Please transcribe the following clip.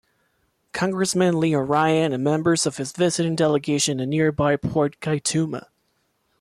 Congressman Leo Ryan and members of his visiting delegation in nearby Port Kaituma.